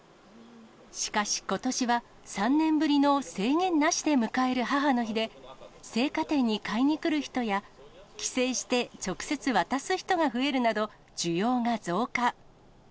しかし、ことしは３年ぶりの制限なしで迎える母の日で、生花店に買いに来る人や、帰省して直接渡す人が増えるなど、需要が増加。